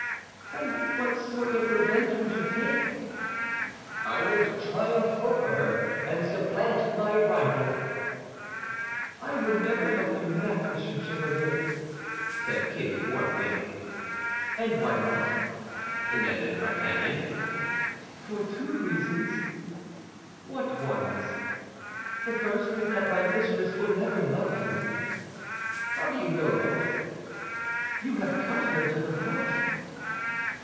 "And what sort of revenge would you take?" "I would triumph over her, and supplant my rival." "I will never help you in that, Monsieur Chevalier," said Kitty, warmly. "And why not?" demanded D'Artagnan. "For two reasons." "What ones?" "The first is that my mistress will never love you." "How do you know that?" "You have cut her to the heart."